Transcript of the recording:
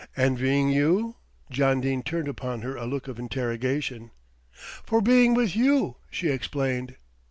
"Envying you?" John Dene turned upon her a look of interrogation. "For being with you," she explained.